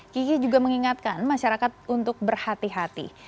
kiki juga mengingatkan masyarakat untuk berhati hati